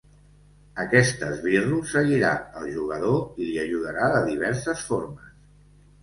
Aquest esbirro seguirà al jugador i li ajudarà de diverses formes.